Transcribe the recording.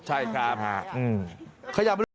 ใช่ครับ